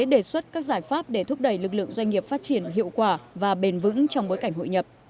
đề xuất các giải pháp để thúc đẩy lực lượng doanh nghiệp phát triển hiệu quả và bền vững trong bối cảnh hội nhập